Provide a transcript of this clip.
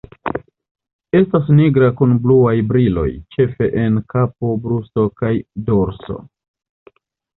Estas nigra kun bluaj briloj, ĉefe en kapo, brusto kaj dorso.